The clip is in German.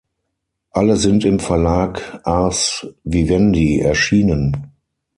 Alle sind im Verlag ars vivendi erschienen.